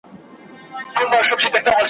تمدني ونډه کوچنۍ وښيي